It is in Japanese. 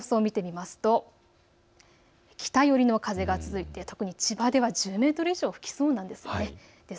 風の予想を見てみますと北寄りの風が続いて特に千葉では１０メートル以上吹きそうなんです。